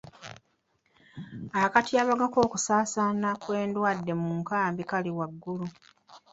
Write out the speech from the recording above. Akatyabaga k'okusaasaana kw'endwadde mu nkambi kali waggulu.